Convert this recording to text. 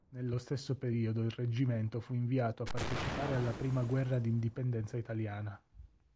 Nello stesso periodo il Reggimento fu inviato a partecipare alla Prima guerra d'indipendenza italiana.